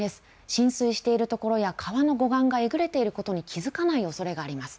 浸水しているところや川の護岸がえぐれてるところに気づかないおそれがります。